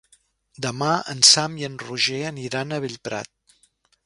Demà en Sam i en Roger aniran a Bellprat.